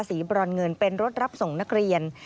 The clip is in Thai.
บรอนเงินเป็นรถรับส่งนักเรียน